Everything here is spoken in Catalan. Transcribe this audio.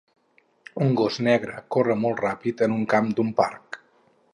Un gos negre corre molt ràpid en un camp d'un parc